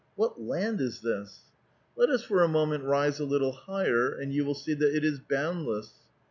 "What land is this?" " I^t us for a moment rise a little higher, and 3'ou shall see that it is boundless."